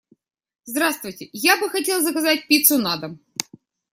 Здравствуйте, я бы хотел заказать пиццу на дом.